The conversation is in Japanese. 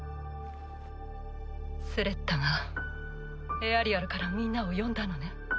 スレッタがエアリアルからみんなを呼んだのね。